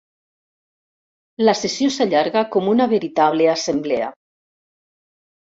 La sessió s'allarga com una veritable assemblea.